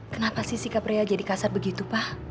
kenapa sih sikap raya jadi kasar begitu pa